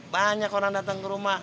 banyak orang datang ke rumah